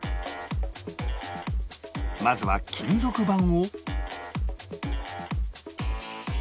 まずは金属板を